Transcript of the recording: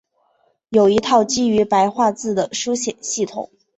有一套基于白话字的书写系统。